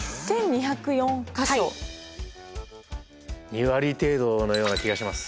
２割程度のような気がします。